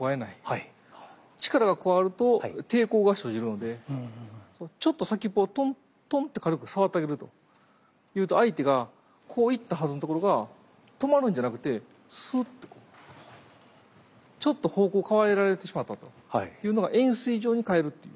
力が加わると抵抗が生じるのでちょっと先っぽをトントンって軽く触ってあげると相手がこう行ったはずのところが止まるんじゃなくてスーッとこうちょっと方向を変えられてしまったというのが円錐状に変えるっていう。